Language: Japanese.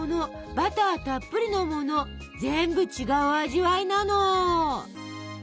バターたっぷりのもの全部違う味わいなの！